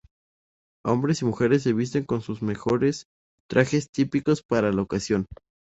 Hombres y mujeres se visten con sus mejores trajes típicos para la ocasión.